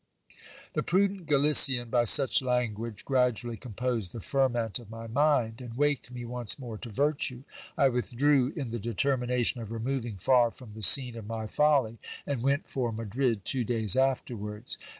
The prudent Galician, by such language, gradually composed the ferment of my mind, and waked me once more to virtue. I w ithdrew in the determination of removing far from the scene of my folly, and went for Madrid, two days afterwards.